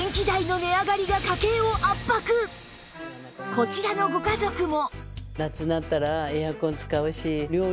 こちらのご家族も